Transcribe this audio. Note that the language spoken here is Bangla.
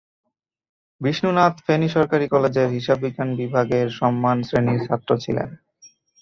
বিষ্ণু নাথ ফেনী সরকারি কলেজের হিসাববিজ্ঞান বিভাগের সম্মান শ্রেণীর ছাত্র ছিলেন।